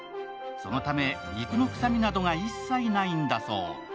そのため肉の臭みなどが一切ないんだそう